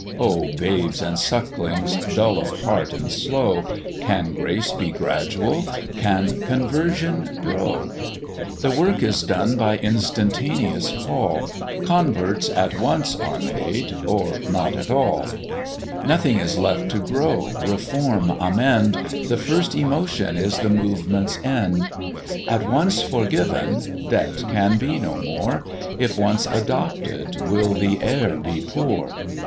"Oh! Babes and Sucklings, dull of heart and slow, Can Grace be gradual? Can Conversion grow? The work is done by instantaneous call; Converts at once are made, or not at all; Nothing is left to grow, reform, amend, The first emotion is the Movement's end: If once forgiven, Debt can be no more; If once adopted, will the heir be poor?